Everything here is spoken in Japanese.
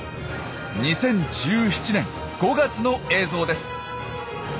２０１７年５月の映像です。